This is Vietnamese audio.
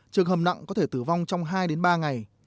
trường hợp nặng có thể tử vong trong hai ba ngày